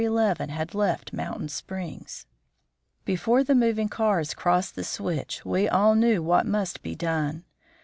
11 had left Mountain Springs. Before the moving cars crossed the switch we all knew what must be done.